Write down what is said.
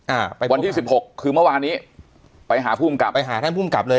อ่าไปวันที่สิบหกคือเมื่อวานนี้ไปหาผู้กำกับไปหาท่านภูมิกับเลย